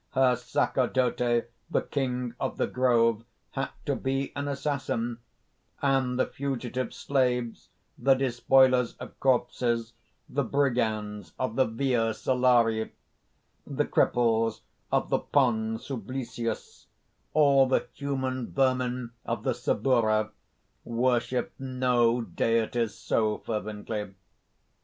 Her sacerdote, the King of the grove, had to be an assassin; and the fugitive slaves, the despoilers of corpses, the brigands of the Via Salaria, the cripples of the Pons Sublicius, all the human vermin of the Suburra worshipped no deities so fervently.